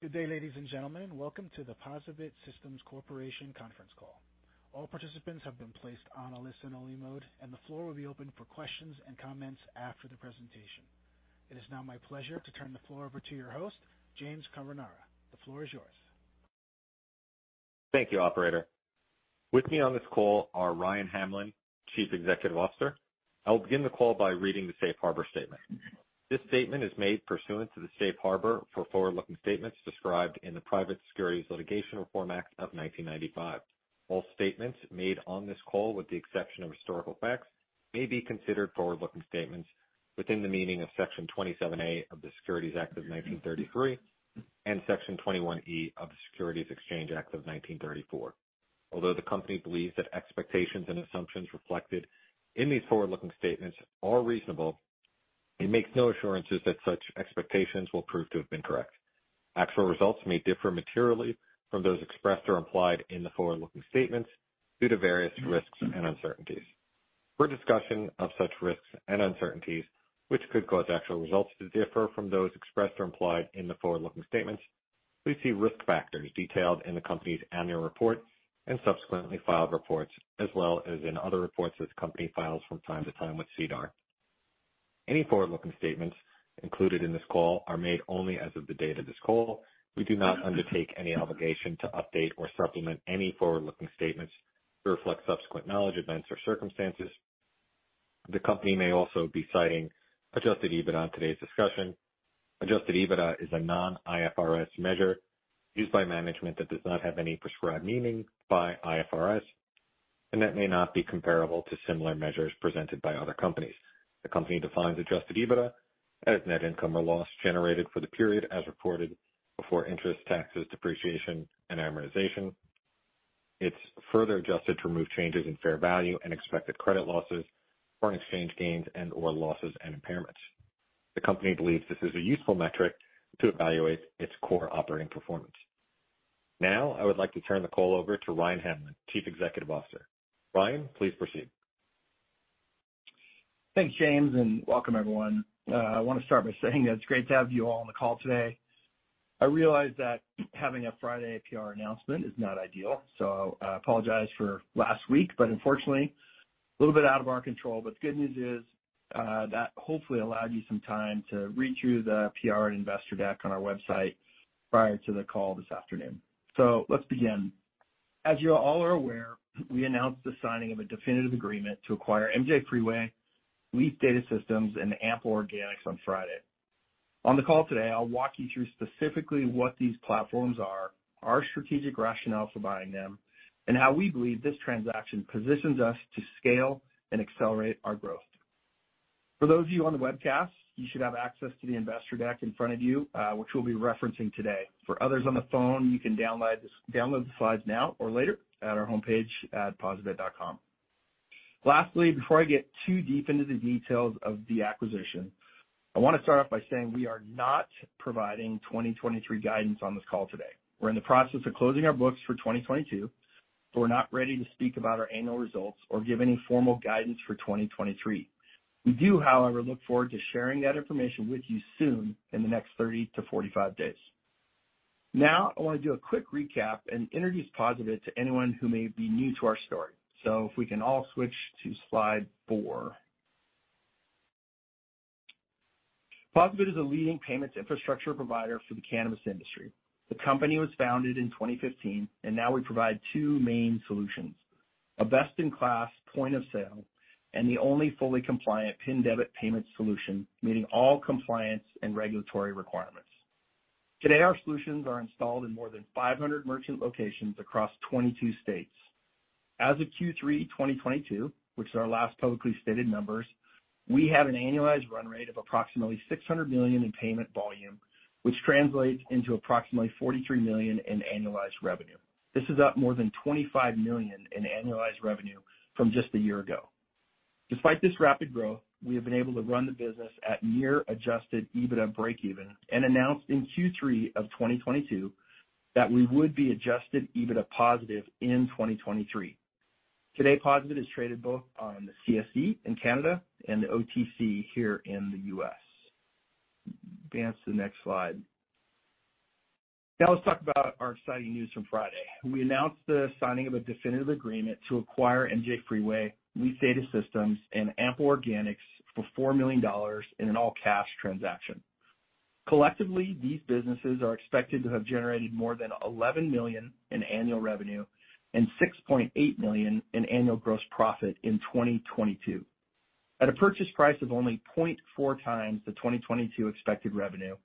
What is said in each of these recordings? Good day, ladies and gentlemen. Welcome to the POSaBIT Systems Corporation Conference Call. All participants have been placed on a listen-only mode, and the floor will be open for questions and comments after the presentation. It is now my pleasure to turn the floor over to your host, James Carbonara. The floor is yours. Thank you, operator. With me on this call are Ryan Hamlin, Chief Executive Officer. I will begin the call by reading the Safe Harbor statement. This statement is made pursuant to the Safe Harbor for forward-looking statements described in the Private Securities Litigation Reform Act of 1995. All statements made on this call, with the exception of historical facts, may be considered forward-looking statements within the meaning of Section 27A of the Securities Act of 1933 and Section 21E of the Securities Exchange Act of 1934. Although the company believes that expectations and assumptions reflected in these forward-looking statements are reasonable, it makes no assurances that such expectations will prove to have been correct. Actual results may differ materially from those expressed or implied in the forward-looking statements due to various risks and uncertainties. For a discussion of such risks and uncertainties which could cause actual results to differ from those expressed or implied in the forward-looking statements, please see risk factors detailed in the company's annual report and subsequently filed reports as well as in other reports this company files from time to time with SEDAR. Any forward-looking statements included in this call are made only as of the date of this call. We do not undertake any obligation to update or supplement any forward-looking statements to reflect subsequent knowledge, events, or circumstances. The company may also be citing adjusted EBITDA in today's discussion. Adjusted EBITDA is a non-IFRS measure used by management that does not have any prescribed meaning by IFRS and that may not be comparable to similar measures presented by other companies. The company defines adjusted EBITDA as net income or loss generated for the period as reported before interest, taxes, depreciation, and amortization. It's further adjusted to remove changes in fair value and expected credit losses, foreign exchange gains and/or losses and impairments. The company believes this is a useful metric to evaluate its core operating performance. I would like to turn the call over to Ryan Hamlin, Chief Executive Officer. Ryan, please proceed. Thanks, James. Welcome everyone. I wanna start by saying it's great to have you all on the call today. I realize that having a Friday PR announcement is not ideal. I apologize for last week, unfortunately, a little bit out of our control. The good news is that hopefully allowed you some time to read through the PR investor deck on our website prior to the call this afternoon. Let's begin. As you all are aware, we announced the signing of a definitive agreement to acquire MJ Freeway, Leaf Data Systems, and Ample Organics on Friday. On the call today, I'll walk you through specifically what these platforms are, our strategic rationale for buying them, and how we believe this transaction positions us to scale and accelerate our growth. For those of you on the webcast, you should have access to the investor deck in front of you, which we'll be referencing today. For others on the phone, you can download the slides now or later at our homepage at posabit.com. Lastly, before I get too deep into the details of the acquisition, I wanna start off by saying we are not providing 2023 guidance on this call today. We're in the process of closing our books for 2022, we're not ready to speak about our annual results or give any formal guidance for 2023. We do, however, look forward to sharing that information with you soon in the next 30 to 45 days. Now, I wanna do a quick recap and introduce POSaBIT to anyone who may be new to our story. If we can all switch to slide four. POSaBIT is a leading payments infrastructure provider for the cannabis industry. The company was founded in 2015, now we provide two main solutions, a best-in-class point of sale and the only fully compliant PIN debit payment solution, meeting all compliance and regulatory requirements. Today, our solutions are installed in more than 500 merchant locations across 22 states. As of Q3 2022, which is our last publicly stated numbers, we have an annualized run rate of approximately $600 million in payment volume, which translates into approximately $43 million in annualized revenue. This is up more than $25 million in annualized revenue from just a year ago. Despite this rapid growth, we have been able to run the business at near adjusted EBITDA breakeven and announced in Q3 of 2022 that we would be adjusted EBITDA positive in 2023. Today, POSaBIT is traded both on the CSE in Canada and the OTC here in the U.S. Advance to the next slide. Let's talk about our exciting news from Friday. We announced the signing of a definitive agreement to acquire MJ Freeway, Leaf Data Systems, and Ample Organics for $4 million in an all-cash transaction. Collectively, these businesses are expected to have generated more than $11 million in annual revenue and $6.8 million in annual gross profit in 2022. At a purchase price of only 0.4x the 2022 expected revenue,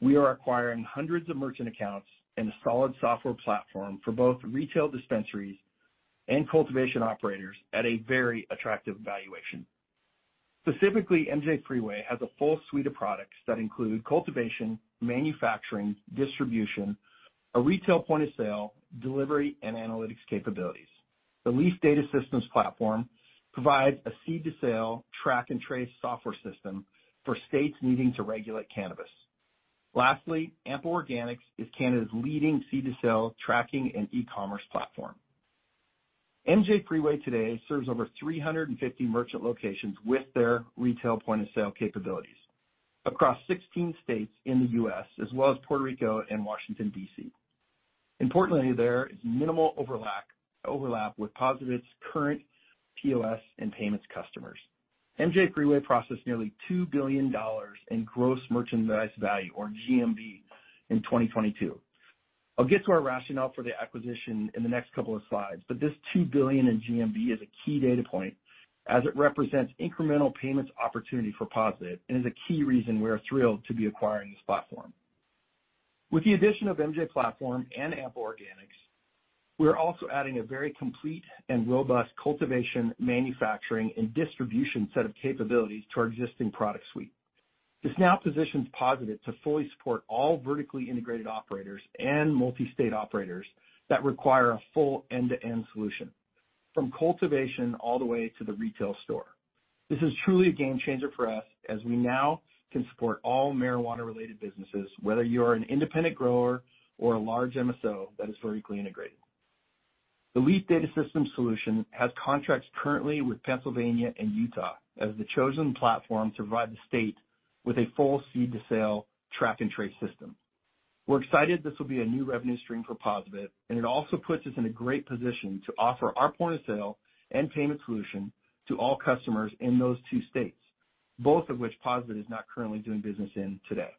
we are acquiring hundreds of merchant accounts and a solid software platform for both retail dispensaries and cultivation operators at a very attractive valuation. Specifically, MJ Freeway has a full suite of products that include cultivation, manufacturing, distribution, a retail point of sale, delivery, and analytics capabilities. The Leaf Data Systems platform provides a seed-to-sale track and trace software system for states needing to regulate cannabis. Ample Organics is Canada's leading seed-to-sale tracking and e-commerce platform. MJ Freeway today serves over 350 merchant locations with their retail point-of-sale capabilities across 16 states in the U.S. as well as Puerto Rico and Washington D.C. There is minimal overlap with POSaBIT's current POS and payments customers. MJ Freeway processed nearly $2 billion in gross merchandise value, or GMV, in 2022. I'll get to our rationale for the acquisition in the next couple of slides. This $2 billion in GMV is a key data point as it represents incremental payments opportunity for POSaBIT and is a key reason we are thrilled to be acquiring this platform. With the addition of MJ Platform and Ample Organics, we are also adding a very complete and robust cultivation, manufacturing, and distribution set of capabilities to our existing product suite. This now positions POSaBIT to fully support all vertically integrated operators and multi-state operators that require a full end-to-end solution, from cultivation all the way to the retail store. This is truly a game changer for us as we now can support all marijuana-related businesses, whether you are an independent grower or a large MSO that is vertically integrated. The Leaf Data Systems solution has contracts currently with Pennsylvania and Utah as the chosen platform to provide the state with a full seed-to-sale track-and-trace system. We're excited this will be a new revenue stream for POSaBIT, and it also puts us in a great position to offer our point-of-sale and payment solution to all customers in those two states, both of which POSaBIT is not currently doing business in today.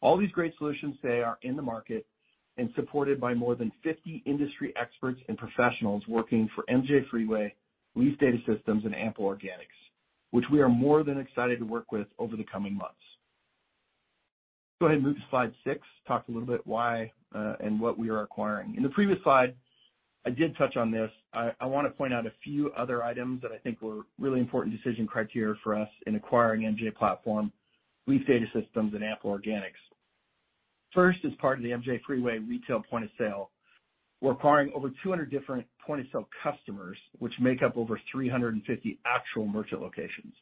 All these great solutions today are in the market and supported by more than 50 industry experts and professionals working for MJ Freeway, Leaf Data Systems, and Ample Organics, which we are more than excited to work with over the coming months. Move to slide six. Talk a little bit why and what we are acquiring. In the previous slide, I did touch on this. I wanna point out a few other items that I think were really important decision criteria for us in acquiring MJ Platform, Leaf Data Systems, and Ample Organics. As part of the MJ Freeway retail point of sale, we're acquiring over 200 different point-of-sale customers, which make up over 350 actual merchant locations.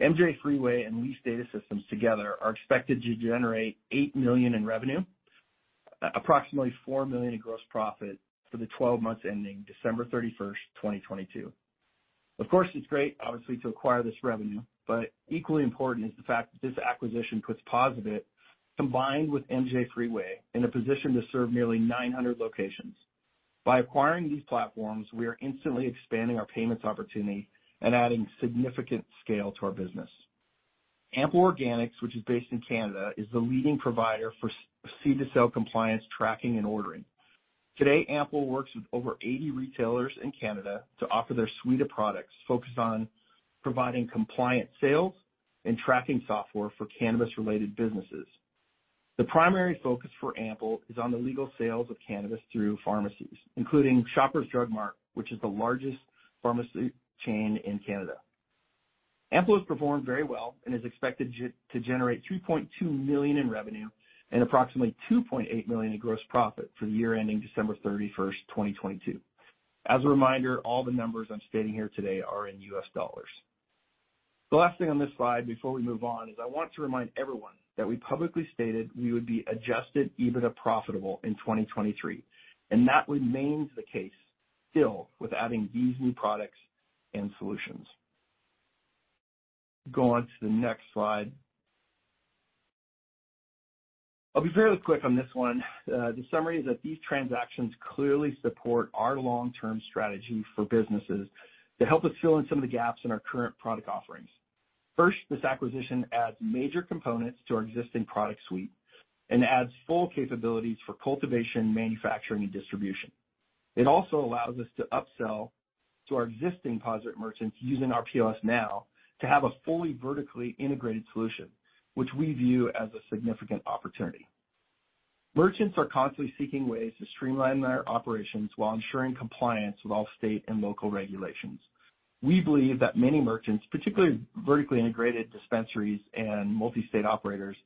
MJ Freeway and Leaf Data Systems together are expected to generate $8 million in revenue, approximately $4 million in gross profit for the 12 months ending December 31, 2022. It's great, obviously, to acquire this revenue, but equally important is the fact that this acquisition puts POSaBIT, combined with MJ Freeway, in a position to serve nearly 900 locations. By acquiring these platforms, we are instantly expanding our payments opportunity and adding significant scale to our business. Ample Organics, which is based in Canada, is the leading provider for seed-to-sale compliance tracking and ordering. Today, Ample works with over 80 retailers in Canada to offer their suite of products focused on providing compliant sales and tracking software for cannabis-related businesses. The primary focus for Ample is on the legal sales of cannabis through pharmacies, including Shoppers Drug Mart, which is the largest pharmacy chain in Canada. Ample has performed very well and is expected to generate $2.2 million in revenue and approximately $2.8 million in gross profit for the year ending December 31, 2022. As a reminder, all the numbers I'm stating here today are in U.S. dollars. The last thing on this slide before we move on is I want to remind everyone that we publicly stated we would be adjusted EBITDA profitable in 2023, and that remains the case still with adding these new products and solutions. Go on to the next slide. I'll be fairly quick on this one. The summary is that these transactions clearly support our long-term strategy for businesses to help us fill in some of the gaps in our current product offerings. First, this acquisition adds major components to our existing product suite and adds full capabilities for cultivation, manufacturing, and distribution. It also allows us to upsell to our existing POSaBIT merchants using our POS now to have a fully vertically integrated solution, which we view as a significant opportunity. Merchants are constantly seeking ways to streamline their operations while ensuring compliance with all state and local regulations. We believe that many merchants, particularly vertically integrated dispensaries and multi-state operators,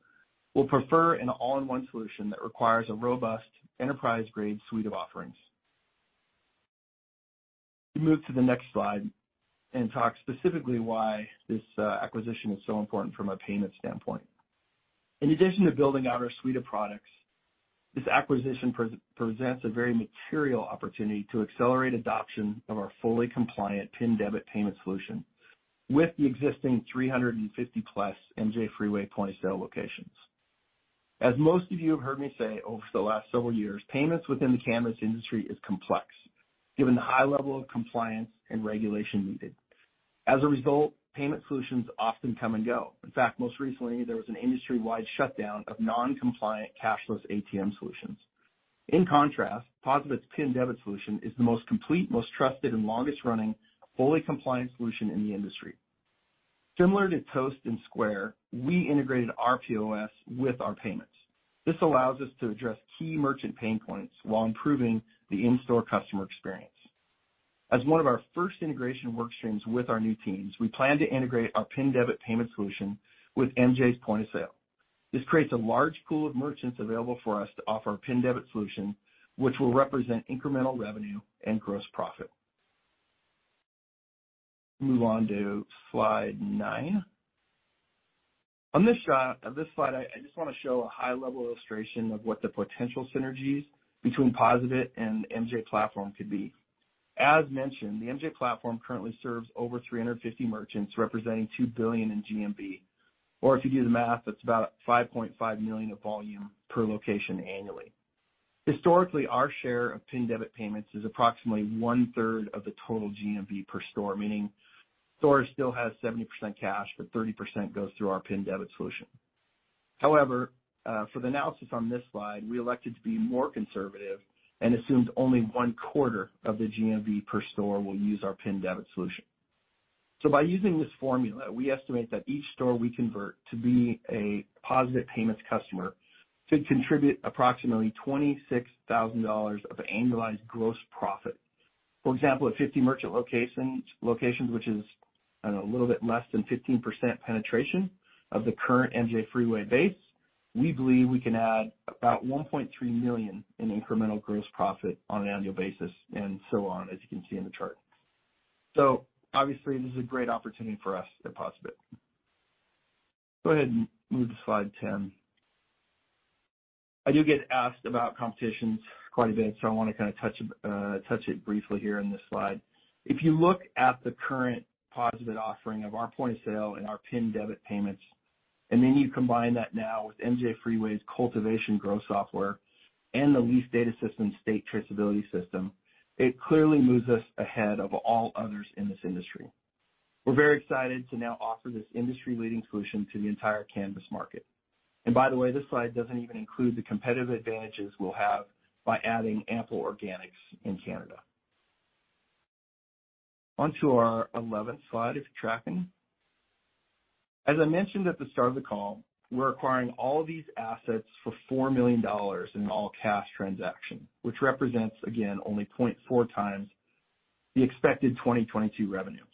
will prefer an all-in-one solution that requires a robust enterprise-grade suite of offerings. We move to the next slide and talk specifically why this acquisition is so important from a payment standpoint. In addition to building out our suite of products, this acquisition presents a very material opportunity to accelerate adoption of our fully compliant PIN debit payment solution with the existing 350-plus MJ Freeway point-of-sale locations. As most of you have heard me say over the last several years, payments within the cannabis industry is complex given the high level of compliance and regulation needed. As a result, payment solutions often come and go. In fact, most recently, there was an industry-wide shutdown of non-compliant cashless ATM solutions. In contrast, POSaBIT's PIN debit solution is the most complete, most trusted, and longest-running fully compliant solution in the industry. Similar to Toast and Square, we integrated our POS with our payments. This allows us to address key merchant pain points while improving the in-store customer experience. As one of our first integration work streams with our new teams, we plan to integrate our PIN debit payment solution with MJ's point of sale. This creates a large pool of merchants available for us to offer our PIN debit solution, which will represent incremental revenue and gross profit. Move on to slide nine. On this slide, this slide, I just wanna show a high-level illustration of what the potential synergies between POSaBIT and MJ Platform could be. As mentioned, the MJ Platform currently serves over 350 merchants, representing $2 billion in GMV. If you do the math, that's about $5.5 million of volume per location annually. Historically, our share of PIN debit payments is approximately one-third of the total GMV per store, meaning stores still have 70% cash, but 30% goes through our PIN debit solution. However, for the analysis on this slide, we elected to be more conservative and assumed only one-quarter of the GMV per store will use our PIN debit solution. By using this formula, we estimate that each store we convert to be a POSaBIT Payments customer could contribute approximately $26,000 of annualized gross profit. For example, at 50 merchant locations, which is, I don't know, a little bit less than 15% penetration of the current MJ Freeway base, we believe we can add about $1.3 million in incremental gross profit on an annual basis, and so on, as you can see in the chart. Obviously this is a great opportunity for us at POSaBIT. Go ahead and move to slide 10. I do get asked about competitions quite a bit, so I wanna kinda touch it briefly here in this slide. If you look at the current POSaBIT offering of our point-of-sale and our PIN debit payments, and then you combine that now with MJ Freeway's cultivation growth software and the Leaf Data Systems state traceability system, it clearly moves us ahead of all others in this industry. We're very excited to now offer this industry-leading solution to the entire cannabis market. By the way, this slide doesn't even include the competitive advantages we'll have by adding Ample Organics in Canada. Onto our 11th slide, if you're tracking. As I mentioned at the start of the call, we're acquiring all these assets for $4 million in an all-cash transaction, which represents, again, only 0.4x the expected 2022 revenue.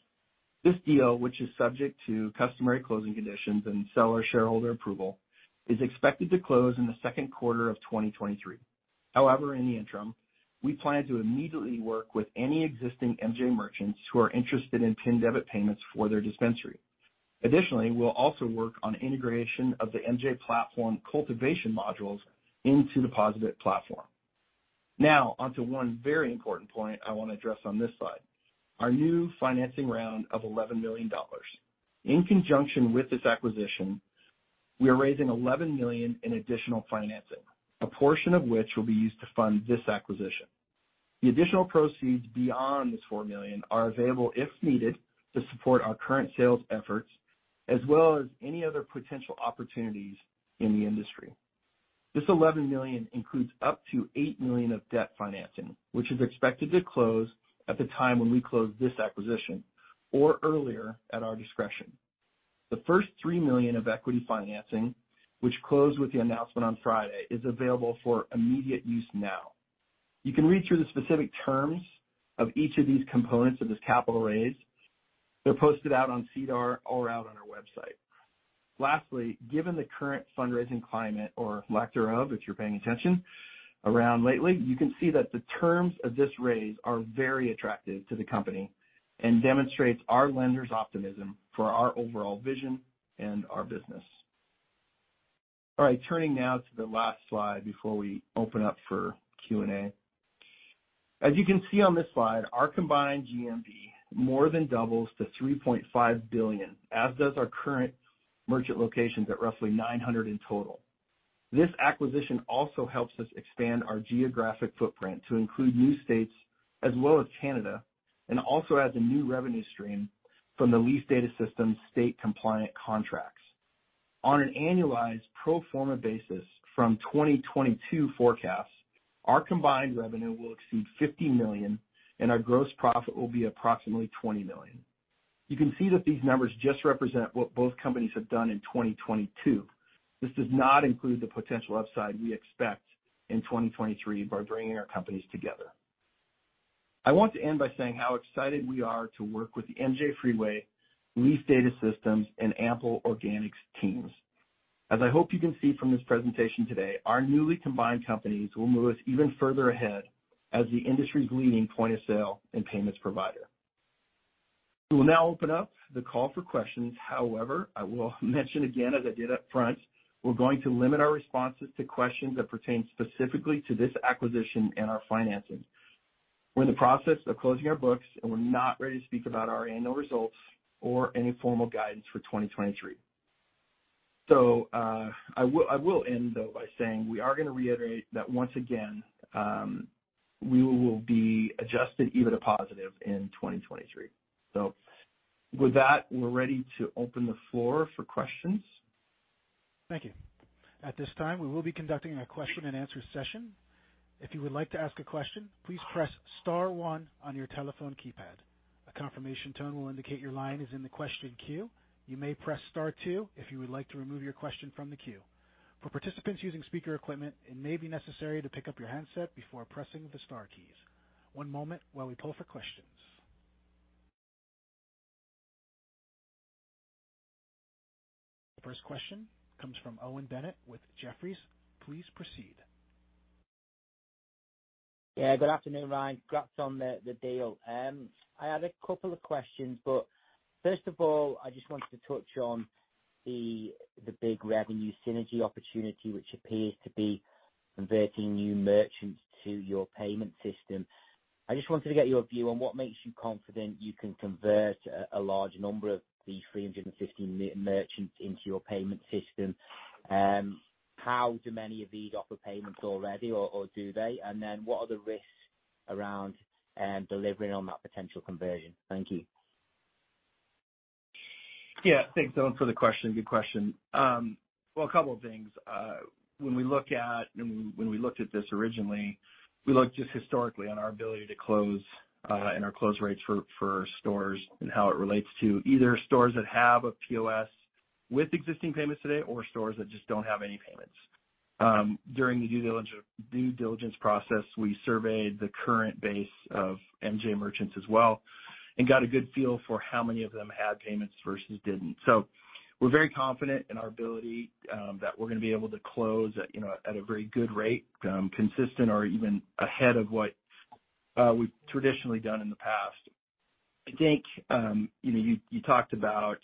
This deal, which is subject to customary closing conditions and seller shareholder approval, is expected to close in the second quarter of 2023. However, in the interim, we plan to immediately work with any existing MJ merchants who are interested in PIN debit payments for their dispensary. Additionally, we'll also work on integration of the MJ Platform cultivation modules into the POSaBIT platform. On to one very important point I want to address on this slide, our new financing round of $11 million. In conjunction with this acquisition, we are raising $11 million in additional financing, a portion of which will be used to fund this acquisition. The additional proceeds beyond this $4 million are available, if needed, to support our current sales efforts, as well as any other potential opportunities in the industry. This $11 million includes up to $8 million of debt financing, which is expected to close at the time when we close this acquisition or earlier, at our discretion. The first $3 million of equity financing, which closed with the announcement on Friday, is available for immediate use now. You can read through the specific terms of each of these components of this capital raise. They're posted out on SEDAR or out on our website. Given the current fundraising climate or lack thereof, if you're paying attention, around lately, you can see that the terms of this raise are very attractive to the company and demonstrates our lenders' optimism for our overall vision and our business. All right, turning now to the last slide before we open up for Q&A. As you can see on this slide, our combined GMV more than doubles to $3.5 billion, as does our current merchant locations at roughly 900 in total. This acquisition also helps us expand our geographic footprint to include new states as well as Canada, also adds a new revenue stream from the Leaf Data Systems state compliant contracts. On an annualized pro forma basis from 2022 forecasts, our combined revenue will exceed $50 million, our gross profit will be approximately $20 million. You can see that these numbers just represent what both companies have done in 2022. This does not include the potential upside we expect in 2023 by bringing our companies together. I want to end by saying how excited we are to work with the MJ Freeway, Leaf Data Systems, and Ample Organics teams. As I hope you can see from this presentation today, our newly combined companies will move us even further ahead as the industry's leading point-of-sale and payments provider. We will now open up the call for questions. I will mention again as I did up front, we're going to limit our responses to questions that pertain specifically to this acquisition and our financing. We're in the process of closing our books, we're not ready to speak about our annual results or any formal guidance for 2023. I will end, though, by saying we are gonna reiterate that once again, we will be adjusted EBITDA positive in 2023. With that, we're ready to open the floor for questions. Thank you. At this time, we will be conducting a question and answer session. If you would like to ask a question, please press star one on your telephone keypad. A confirmation tone will indicate your line is in the question queue. You may press star two if you would like to remove your question from the queue. For participants using speaker equipment, it may be necessary to pick up your handset before pressing the star keys. One moment while we pull for questions. First question comes from Owen Bennett with Jefferies. Please proceed. Good afternoon, Ryan. Congrats on the deal. I had a couple of questions, first of all, I just wanted to touch on the big revenue synergy opportunity, which appears to be converting new merchants to your payment system. I just wanted to get your view on what makes you confident you can convert a large number of the 350 merchants into your payment system. How do many of these offer payments already or do they? What are the risks around delivering on that potential conversion? Thank you. Thanks, Owen, for the question. Good question. Well, a couple of things. When we looked at this originally, we looked just historically on our ability to close, and our close rates for stores and how it relates to either stores that have a POS with existing payments today or stores that just don't have any payments. During the due diligence process, we surveyed the current base of MJ merchants as well and got a good feel for how many of them had payments versus didn't. We're very confident in our ability that we're gonna be able to close at, you know, at a very good rate, consistent or even ahead of what we've traditionally done in the past. I think you talked about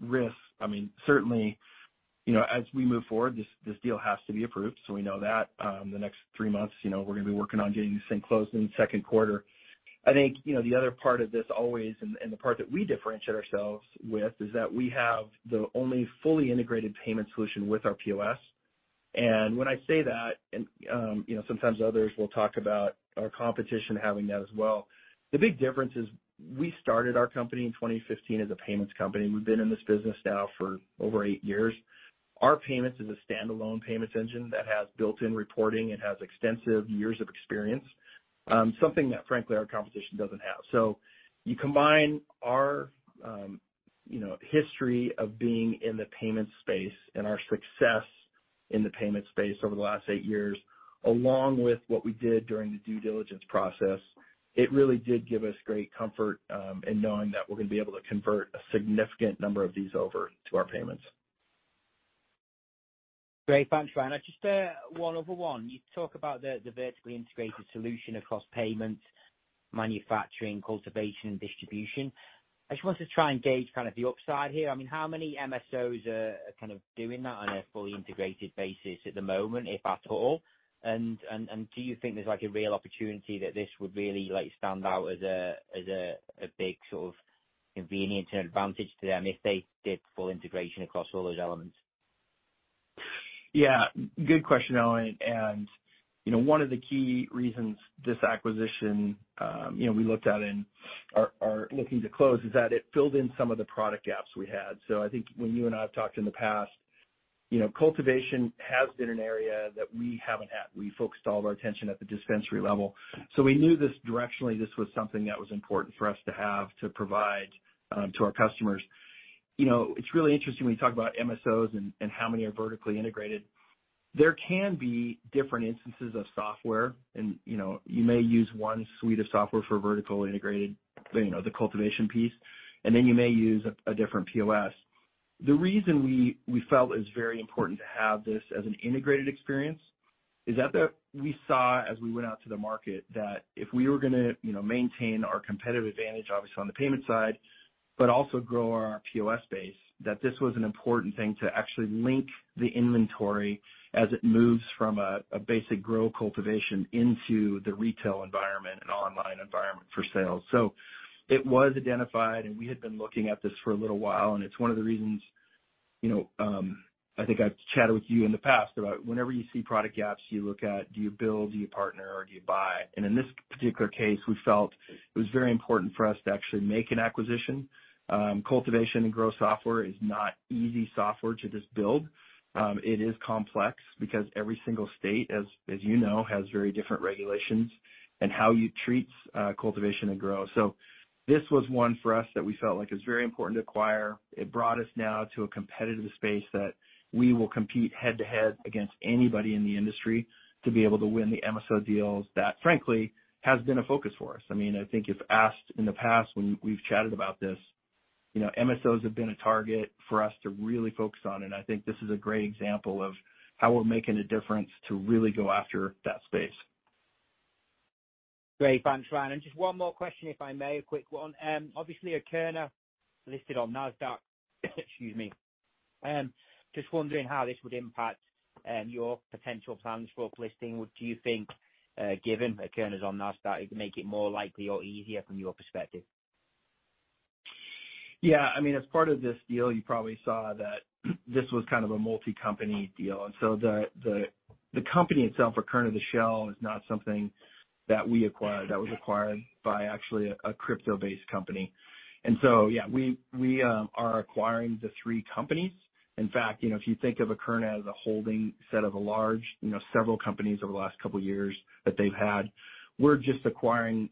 risk. I mean, certainly, you know, as we move forward, this deal has to be approved. We know that. The next three months, we're gonna be working on getting this thing closed in the second quarter. I think, you know, the other part of this always and the part that we differentiate ourselves with is that we have the only fully integrated payment solution with our POS. When I say that, and, you know, sometimes others will talk about our competition having that as well, the big difference is we started our company in 2015 as a payments company. We've been in this business now for over eight years. Our payments is a standalone payments engine that has built-in reporting and has extensive years of experience, something that frankly our competition doesn't have. You combine our, you know, history of being in the payments space and our success in the payment space over the last 8 years, along with what we did during the due diligence process, it really did give us great comfort, in knowing that we're gonna be able to convert a significant number of these over to our payments. Great. Thanks, Ryan. Just one other one. You talk about the vertically integrated solution across payments, manufacturing, cultivation, and distribution. I just wanted to try and gauge kind of the upside here. I mean, how many MSOs are kind of doing that on a fully integrated basis at the moment, if at all? And, and do you think there's like a real opportunity that this would really like stand out as a, as a big sort of convenience and advantage to them if they did full integration across all those elements? Yeah. Good question, Owen. You know, one of the key reasons this acquisition, you know, we looked at and are looking to close is that it filled in some of the product gaps we had. I think when you and I have talked in the past, you know, cultivation has been an area that we haven't had. We focused all of our attention at the dispensary level. We knew this directionally, this was something that was important for us to have to provide to our customers. You know, it's really interesting when you talk about MSOs and how many are vertically integrated. There can be different instances of software and, you know, you may use one suite of software for vertical integrated, you know, the cultivation piece, and then you may use a different POS. The reason we felt it was very important to have this as an integrated experience is that we saw as we went out to the market, that if we were going to, you know, maintain our competitive advantage obviously on the payment side, but also grow our POS base, that this was an important thing to actually link the inventory as it moves from a basic grow cultivation into the retail environment and online environment for sales. It was identified, and we had been looking at this for a little while, and it's one of the reasons, you know, I think I've chatted with you in the past about whenever you see product gaps, you look at do you build, do you partner, or do you buy? In this particular case, we felt it was very important for us to actually make an acquisition. Cultivation and grow software is not easy software to just build. It is complex because every single state, as you know, has very different regulations in how you treat cultivation and grow. This was one for us that we felt like it was very important to acquire. It brought us now to a competitive space that we will compete head to head against anybody in the industry to be able to win the MSO deals that frankly has been a focus for us. I mean, I think if asked in the past when we've chatted about this, you know, MSOs have been a target for us to really focus on, and I think this is a great example of how we're making a difference to really go after that space. Great. Thanks, Ryan. Just one more question if I may, a quick one. Obviously, Akerna listed on NASDAQ. Excuse me. Just wondering how this would impact your potential plans for listing. Do you think, given Akerna's on NASDAQ, it can make it more likely or easier from your perspective? Yeah. I mean, as part of this deal, you probably saw that this was kind of a multi-company deal. The, the company itself for Akerna, the shell, is not something that we acquired. That was acquired by actually a crypto-based company. Yeah, we are acquiring the three companies. In fact, you know, if you think of Akerna as a holding set of a large, you know, several companies over the last couple of years that they've had, we're just acquiring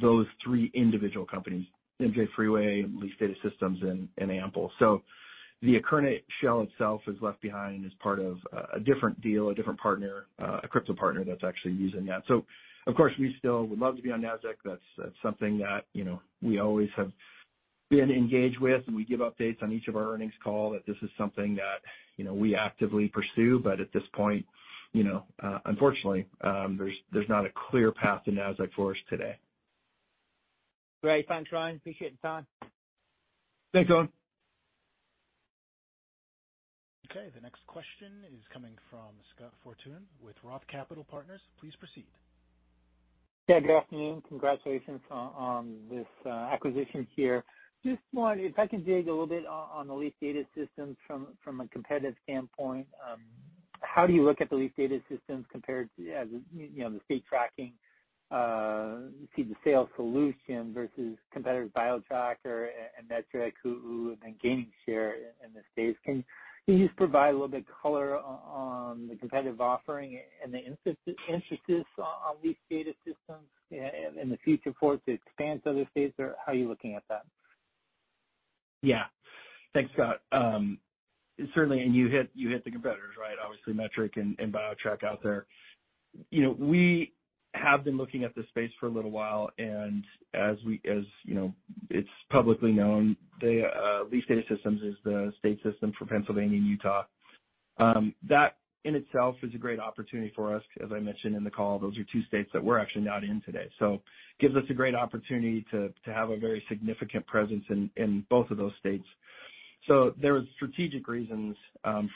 those three individual companies, MJ Freeway, Leaf Data Systems, and Ample. The Akerna shell itself is left behind as part of a different deal, a different partner, a crypto partner that's actually using that. Of course, we still would love to be on NASDAQ. That's something that, you know, we always have been engaged with, and we give updates on each of our earnings call that this is something that, you know, we actively pursue. At this point, you know, unfortunately, there's not a clear path to Nasdaq for us today. Great. Thanks, Ryan. Appreciate the time. Thanks, Owen. Okay. The next question is coming from Scott Fortune with Roth Capital Partners. Please proceed. Yeah, good afternoon. Congratulations on this acquisition here. Just wonder if I can dig a little bit on the Leaf Data Systems from a competitive standpoint. How do you look at the Leaf Data Systems compared to the state tracking, seed-to-sale solution versus competitors BioTrack or and Metrc, who have been gaining share in the space? Can you just provide a little bit color on the competitive offering and the interests on Leaf Data Systems in the future for it to expand to other states, or how are you looking at that? Thanks, Scott. Certainly, you hit the competitors, right, obviously Metrc and BioTrack out there. You know, we have been looking at this space for a little while, as we, you know, it's publicly known, Leaf Data Systems is the state system for Pennsylvania and Utah. That in itself is a great opportunity for us. As I mentioned in the call, those are two states that we're actually not in today. Gives us a great opportunity to have a very significant presence in both of those states. There was strategic reasons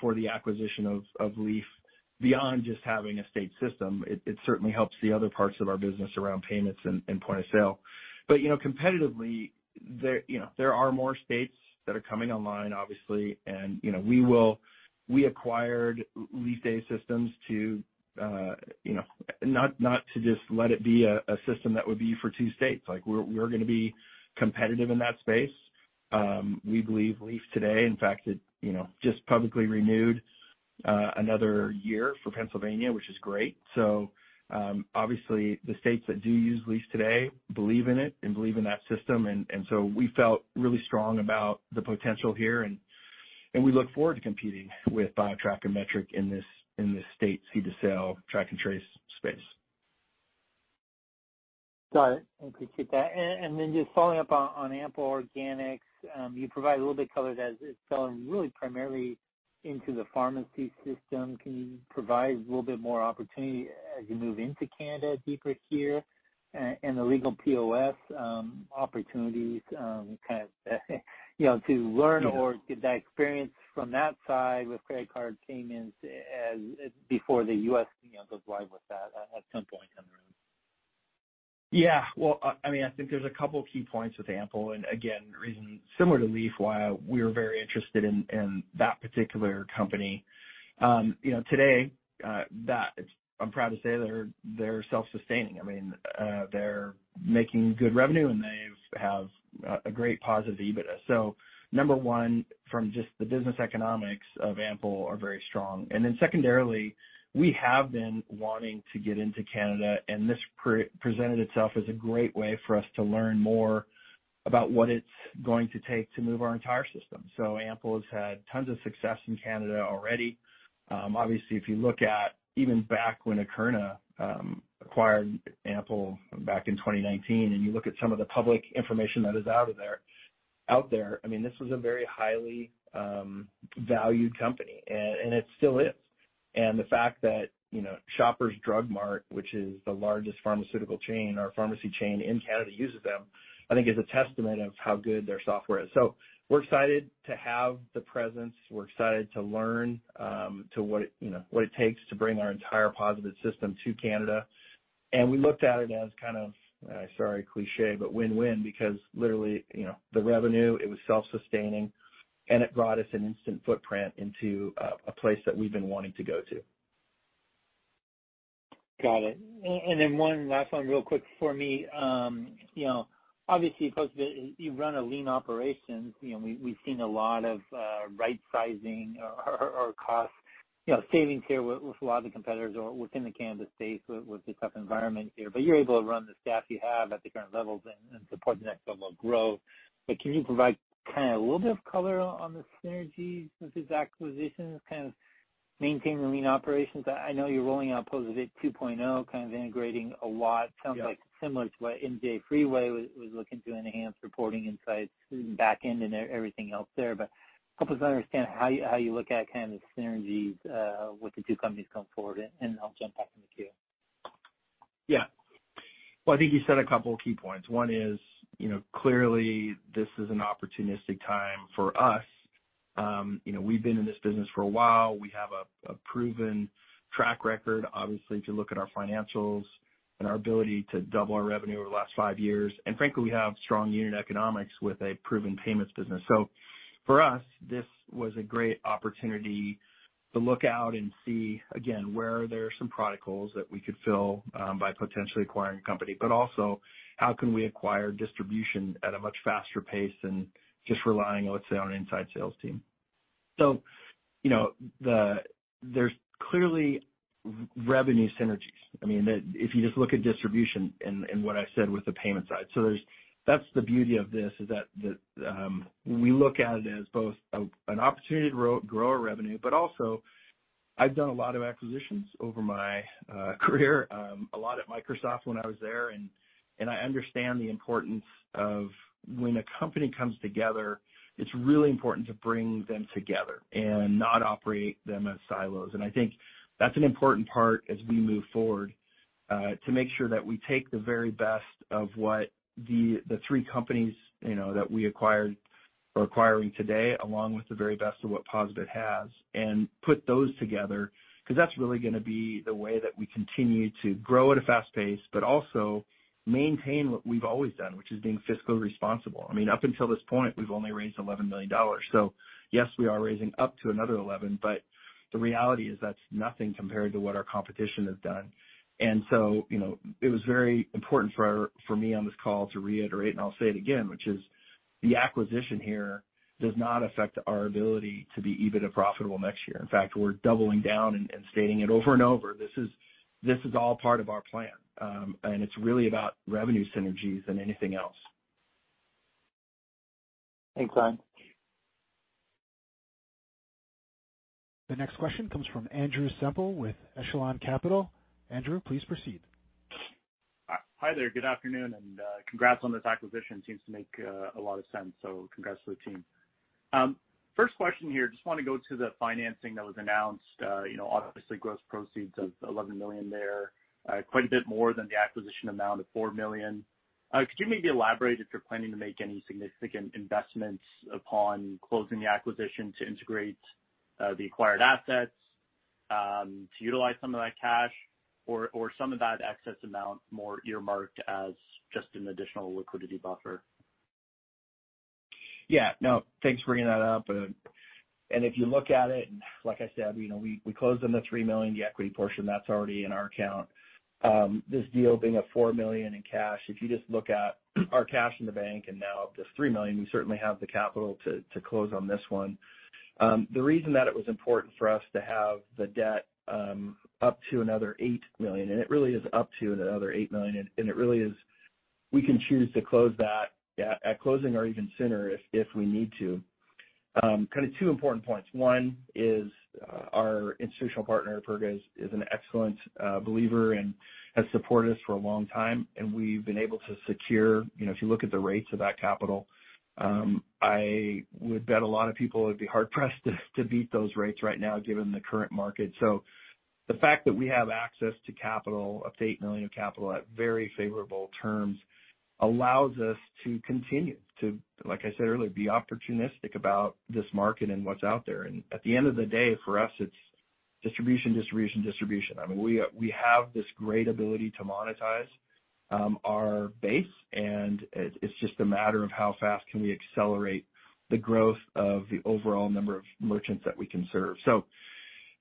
for the acquisition of Leaf beyond just having a state system. It certainly helps the other parts of our business around payments and point of sale. You know, competitively. There are more states that are coming online, obviously, and, you know, We acquired Leaf Data Systems to not to just let it be a system that would be for two states. Like, we're gonna be competitive in that space. We believe Leaf today, in fact, it just publicly renewed another year for Pennsylvania, which is great. Obviously the states that do use Leaf today believe in it and believe in that system and so we felt really strong about the potential here and we look forward to competing with BioTrack and Metrc in this state seed-to-sale track and trace space. Got it. Appreciate that. Then just following up on Ample Organics. You provide a little bit of color that it's selling really primarily into the pharmacy system. Can you provide a little bit more opportunity as you move into Canada deeper here and the legal POS opportunities, kind of, you know, to learn or get that experience from that side with credit card payments as before the US, you know, goes live with that at some point down the road? Yeah. Well, I think there's a couple key points with Ample, and again, reasons similar to Leaf why we're very interested in that particular company. You know, today, I'm proud to say they're self-sustaining. I mean, they're making good revenue, and they've have a great positive EBITDA. Number one, from just the business economics of Ample are very strong. Then secondarily, we have been wanting to get into Canada, and this presented itself as a great way for us to learn more about what it's going to take to move our entire system. Ample has had tons of success in Canada already. Obviously, if you look at even back when Akerna acquired Ample in 2019, and you look at some of the public information that is out there, I mean, this was a very highly valued company and it still is. The fact that, you know, Shoppers Drug Mart, which is the largest pharmaceutical chain or pharmacy chain in Canada, uses them, I think is a testament of how good their software is. We're excited to have the presence. We're excited to learn what it takes to bring our entire POSaBIT system to Canada. We looked at it as kind of, sorry, cliche, but win-win because literally, you know, the revenue, it was self-sustaining, and it brought us an instant footprint into a place that we've been wanting to go to. Got it. Then one last one real quick for me. You know, obviously at POSaBIT you run a lean operation. You know, we've seen a lot of right sizing or cost, you know, savings here with a lot of the competitors or within the Canada space with the tough environment here. You're able to run the staff you have at the current levels and support the next level of growth. Can you provide kind of a little bit of color on the synergies of these acquisitions, kind of maintain the lean operations? I know you're rolling out POSaBIT 2.0, kind of integrating a lot. Yeah. Sounds like similar to what MJ Freeway was looking to enhance reporting insights back end and e-everything else there. Help us understand how you look at kind of the synergies with the two companies going forward, and I'll jump back in the queue. Well, I think you said a couple of key points. One is, you know, clearly this is an opportunistic time for us. you know, we've been in this business for a while. We have a proven track record, obviously, if you look at our financials and our ability to double our revenue over the last five years. Frankly, we have strong unit economics with a proven payments business. For us, this was a great opportunity to look out and see again, where there are some product holes that we could fill, by potentially acquiring a company, but also how can we acquire distribution at a much faster pace than just relying, let's say, on an inside sales team. you know, there's clearly revenue synergies. I mean, that if you just look at distribution and what I said with the payment side. That's the beauty of this, is that the, we look at it as both an opportunity to grow our revenue, but also I've done a lot of acquisitions over my career, a lot at Microsoft when I was there, and I understand the importance of when a company comes together, it's really important to bring them together and not operate them as silos. I think that's an important part as we move forward, to make sure that we take the very best of what the three companies, you know, that we acquired or acquiring today, along with the very best of what POSaBIT has, and put those together, 'cause that's really gonna be the way that we continue to grow at a fast pace but also maintain what we've always done, which is being fiscally responsible. I mean, up until this point, we've only raised $11 million. Yes, we are raising up to another $11, but the reality is that's nothing compared to what our competition has done. You know, it was very important for me on this call to reiterate, and I'll say it again, which is the acquisition here does not affect our ability to be EBITDA profitable next year. In fact, we're doubling down and stating it over and over. This is all part of our plan, and it's really about revenue synergies than anything else. Thanks, Ryan. The next question comes from Andrew Semple with Echelon Capital. Andrew, please proceed. Hi there, good afternoon. Congrats on this acquisition. Seems to make a lot of sense, so congrats to the team. First question here, just wanna go to the financing that was announced. You know, obviously, gross proceeds of $11 million there, quite a bit more than the acquisition amount of $4 million. Could you maybe elaborate if you're planning to make any significant investments upon closing the acquisition to integrate the acquired assets, to utilize some of that cash or some of that excess amount more earmarked as just an additional liquidity buffer? Yeah, no. Thanks for bringing that up. If you look at it, like I said, you know, we closed on the $3 million, the equity portion that's already in our account. This deal being at $4 million in cash, if you just look at our cash in the bank and now this $3 million, we certainly have the capital to close on this one. The reason that it was important for us to have the debt, up to another $8 million, it really is up to another $8 million, it really is we can choose to close that at closing or even sooner if we need to. Kinda two important points. One is, our institutional partner, Perga, is an excellent believer and has supported us for a long time. We've been able to secure. You know, if you look at the rates of that capital, I would bet a lot of people would be hard-pressed to beat those rates right now given the current market. The fact that we have access to capital, up to $8 million of capital at very favorable terms, allows us to continue to, like I said earlier, be opportunistic about this market and what's out there. At the end of the day, for us, it's distribution, distribution. We have this great ability to monetize our base, and it's just a matter of how fast can we accelerate the growth of the overall number of merchants that we can serve.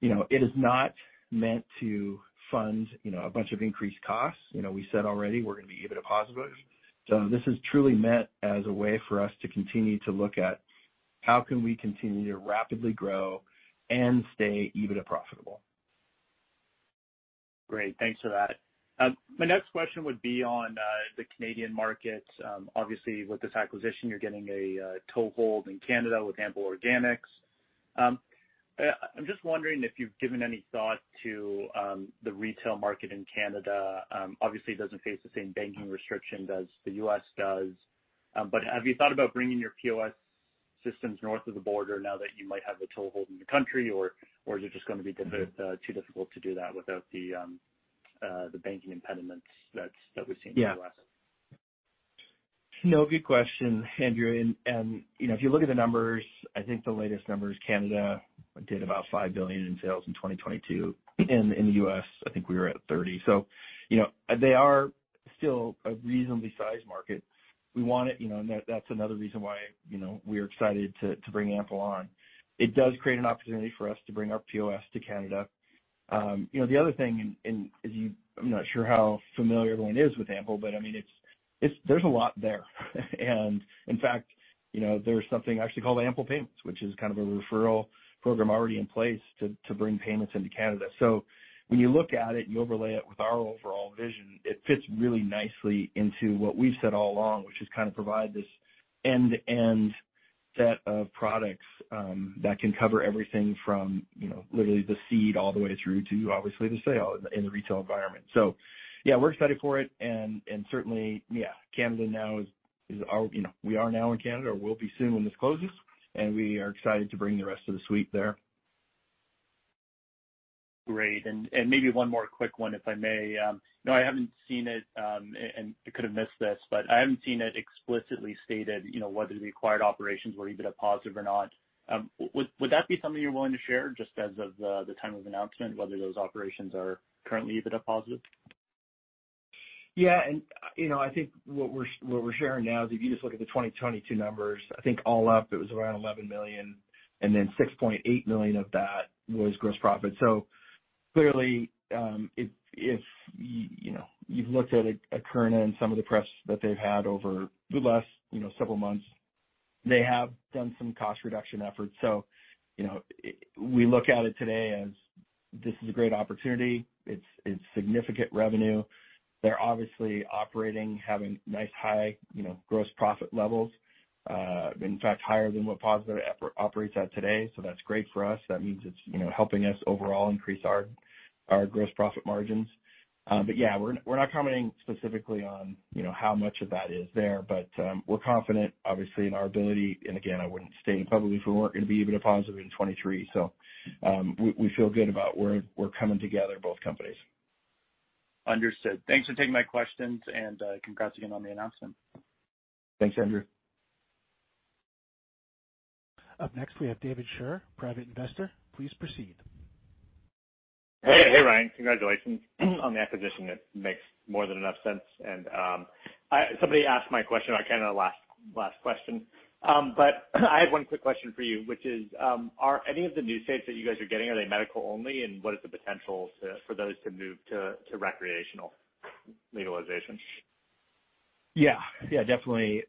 You know, it is not meant to fund, you know, a bunch of increased costs. You know, we said already we're gonna be EBITDA positive. This is truly meant as a way for us to continue to look at how can we continue to rapidly grow and stay EBITDA profitable. Great. Thanks for that. My next question would be on the Canadian market. Obviously with this acquisition, you're getting a toehold in Canada with Ample Organics. I'm just wondering if you've given any thought to the retail market in Canada. Obviously, it doesn't face the same banking restriction as the U.S. does. But have you thought about bringing your POS systems north of the border now that you might have a toehold in the country, or is it just gonna be too difficult to do that without the banking impediments that's, that we've seen in the U.S.? Yeah. No, good question, Andrew. You know, if you look at the numbers, I think the latest numbers, Canada did about $5 billion in sales in 2022. In the US, I think we were at $30 billion. You know, they are still a reasonably sized market. We want it, you know, that's another reason why, you know, we're excited to bring Ample on. It does create an opportunity for us to bring our POS to Canada. the other thing, and I'm not sure how familiar everyone is with Ample, but, I mean, it's there's a lot there. In fact, there's something actually called Ample Organics, which is kind of a referral program already in place to bring payments into Canada. When you look at it and you overlay it with our overall vision, it fits really nicely into what we've said all along, which is kinda provide this end-to-end set of products that can cover everything from literally the seed all the way through to obviously the sale in the retail environment. We're excited for it and certainly, Canada now is our, you know, we are now in Canada or will be soon when this closes, and we are excited to bring the rest of the suite there. Great. Maybe one more quick one, if I may. No, I haven't seen it, and I could have missed this, but I haven't seen it explicitly stated, you know, whether the acquired operations were EBITDA positive or not. Would that be something you're willing to share just as of the time of announcement, whether those operations are currently EBITDA positive? You know, I think what we're sharing now is if you just look at the 2022 numbers, I think all up it was around $11 million, and then $6.8 million of that was gross profit. Clearly, if you know, you've looked at Akerna and some of the press that they've had over the last, you know, several months. They have done some cost reduction efforts. You know, we look at it today as this is a great opportunity. It's significant revenue. They're obviously operating, having nice high, you know, gross profit levels. In fact, higher than what POSaBIT operates at today. That's great for us. That means it's helping us overall increase our gross profit margins. Yeah, we're not commenting specifically on, you know, how much of that is there, but we're confident obviously in our ability and again, I wouldn't state publicly if we weren't gonna be able to positive in 23. We, we feel good about where we're coming together, both companies. Understood. Thanks for taking my questions and congrats again on the announcement. Thanks, Andrew. Up next, we have David Sher, Private Investor. Please proceed. Hey, Ryan. Congratulations on the acquisition. It makes more than enough sense. Somebody asked my question, or kinda the last question. I have one quick question for you, which is, are any of the new states that you guys are getting, are they medical only, and what is the potential for those to move to recreational legalization? Definitely.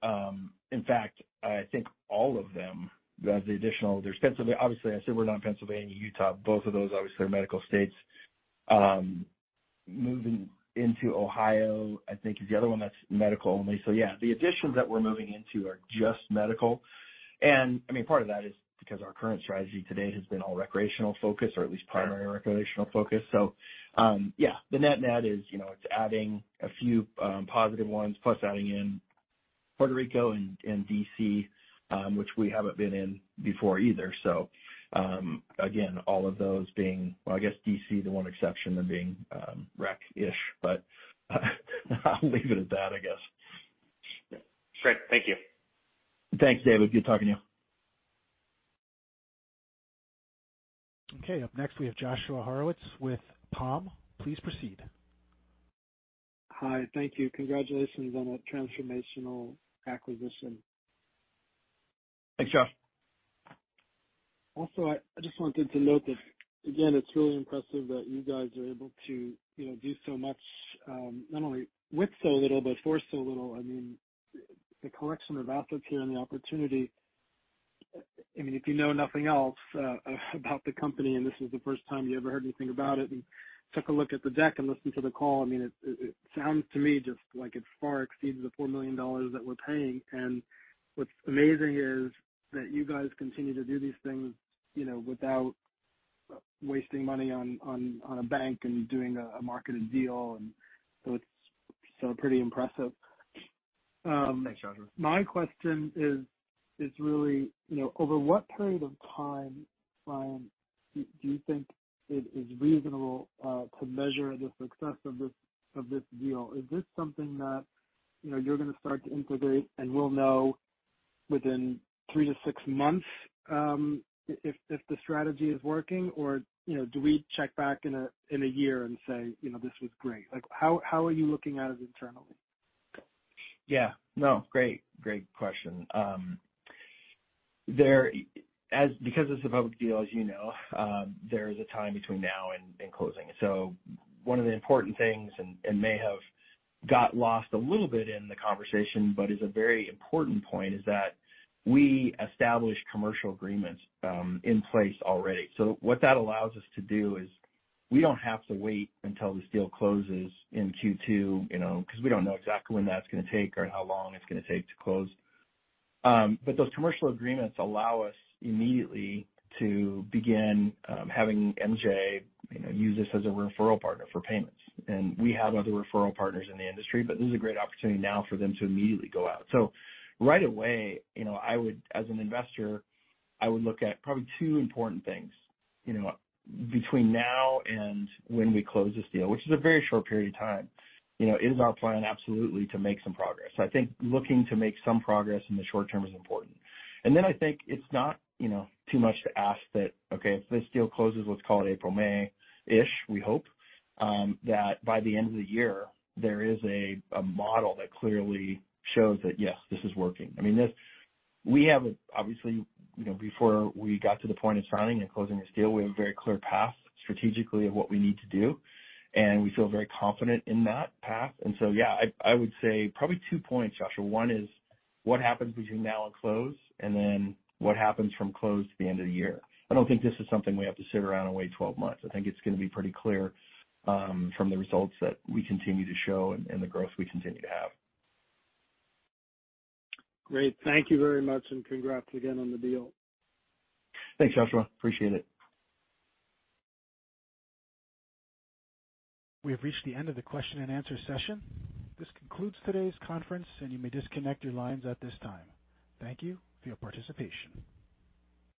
In fact, I think all of them as the additional. They're Pennsylvania. Obviously, I said we're now in Pennsylvania, Utah, both of those obviously are medical states. Moving into Ohio, I think, is the other one that's medical only. The additions that we're moving into are just medical. I mean, part of that is because our current strategy today has been all recreational focus or at least primary recreational focus. The net-net is, you know, it's adding a few positive ones, plus adding in Puerto Rico and D.C., which we haven't been in before either. Again, all of those being. Well, I guess D.C., the one exception of being rec-ish, I'll leave it at that, I guess. Great. Thank you. Thanks, David. Good talking to you. Okay. Up next, we have Joshua Horowitz with Palm. Please proceed. Hi. Thank you. Congratulations on a transformational acquisition. Thanks, Josh. Also, I just wanted to note that, again, it's really impressive that you guys are able to, you know, do so much, not only with so little, but for so little. I mean, the collection of assets here and the opportunity, I mean, if you know nothing else, about the company, and this is the first time you ever heard anything about it and took a look at the deck and listened to the call, I mean, it sounds to me just like it far exceeds the $4 million that we're paying. What's amazing is that you guys continue to do these things, you know, without wasting money on a bank and doing a marketed deal. It's still pretty impressive. Thanks, Joshua. My question is really, over what period of time, Ryan, do you think it is reasonable to measure the success of this deal? Is this something that, you know, you're gonna start to integrate and we'll know within three to six months, if the strategy is working or do we check back in a year and say, you know, this was great? Like, how are you looking at it internally? Yeah. No, great question. Because it's a public deal, as you know, there is a time between now and closing. One of the important things, and it may have got lost a little bit in the conversation, but is a very important point, is that we establish commercial agreements in place already. What that allows us to do is we don't have to wait until this deal closes in Q2, you know, 'cause we don't know exactly when that's gonna take or how long it's gonna take to close. Those commercial agreements allow us immediately to begin having MJ, you know, use us as a referral partner for payments. We have other referral partners in the industry, but this is a great opportunity now for them to immediately go out. Right away, as an investor, I would look at probably two important things, you know. Between now and when we close this deal, which is a very short period of time, you know, it is our plan absolutely to make some progress. I think looking to make some progress in the short term is important. I think it's not, you know, too much to ask that, okay, if this deal closes, let's call it April, May-ish, we hope, that by the end of the year, there is a model that clearly shows that, yes, this is working. I mean, We have, obviously, you know, before we got to the point of signing and closing this deal, we have a very clear path strategically of what we need to do, and we feel very confident in that path. Yeah, I would say probably two points, Joshua. One is what happens between now and close, and then what happens from close to the end of the year. I don't think this is something we have to sit around and wait 12 months. I think it's gonna be pretty clear from the results that we continue to show and the growth we continue to have. Great. Thank you very much, and congrats again on the deal. Thanks, Joshua. Appreciate it. We have reached the end of the question and answer session. This concludes today's conference, and you may disconnect your lines at this time. Thank you for your participation.